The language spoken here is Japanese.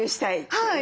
はい。